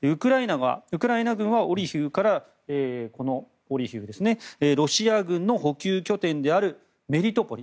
ウクライナ軍はオリヒウからロシア軍の補給拠点であるメリトポリ。